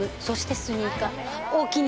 そしてスニーカー。